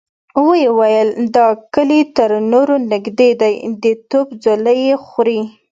ويې ويل: دا کلي تر نورو نږدې دی، د توپ څولۍ يې خوري.